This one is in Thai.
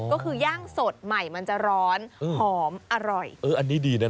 ก็คือย่างสดใหม่มันจะร้อนหอมอร่อยเอออันนี้ดีนะ